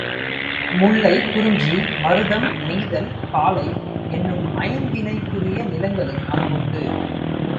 முல்லை, குறிஞ்சி, மருதம், நெய்தல், பாலை என்னும் ஐந்திணைக்குரிய நிலங்களும் அங்குண்டு.